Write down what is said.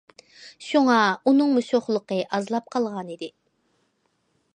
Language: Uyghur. شۇڭا ئۇنىڭمۇ شوخلۇقى ئازلاپ قالغانىدى.